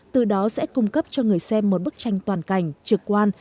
từ đó sẽ cung cấp cho người xem một bức tranh toàn cảnh trực quan